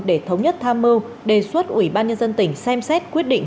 để thống nhất tham mưu đề xuất ủy ban nhân dân tỉnh xem xét quyết định